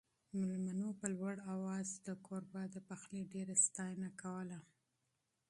مېلمنو په لوړ اواز د کوربه د پخلي ډېره ستاینه کوله.